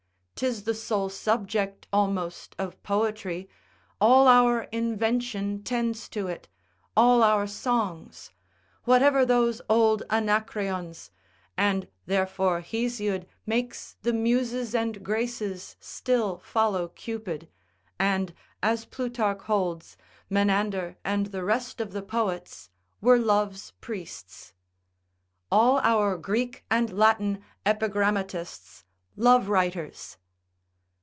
'Tis the sole subject almost of poetry, all our invention tends to it, all our songs, whatever those old Anacreons: (and therefore Hesiod makes the Muses and Graces still follow Cupid, and as Plutarch holds, Menander and the rest of the poets were love's priests,) all our Greek and Latin epigrammatists, love writers.